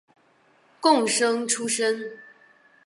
贡生出身。